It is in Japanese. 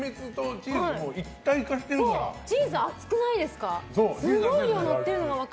チーズ、厚くないですか？